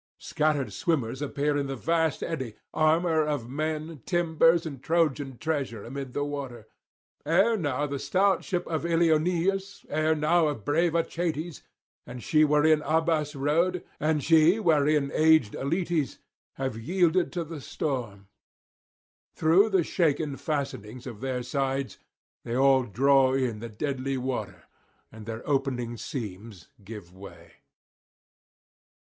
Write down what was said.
Scattered swimmers appear in the vast eddy, armour of men, timbers and Trojan treasure amid the water. Ere now the stout ship of Ilioneus, ere now of brave Achates, and she wherein [121 152]Abas rode, and she wherein aged Aletes, have yielded to the storm; through the shaken fastenings of their sides they all draw in the deadly water, and their opening seams give way.